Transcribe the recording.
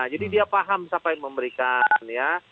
jadi dia paham siapa yang memberikan ya